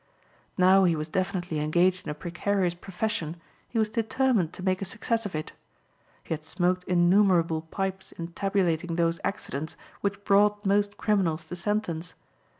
Now he was definitely engaged in a precarious profession he was determined to make a success of it. He had smoked innumerable pipes in tabulating those accidents which brought most criminals to sentence.